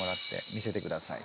見せてください。